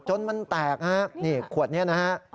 จนมันแตกฮะนี่ขวดนี้นะฮะ